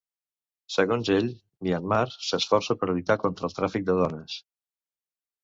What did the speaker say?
Segons ell, Myanmar s'esforça per lluitar contra el tràfic de dones.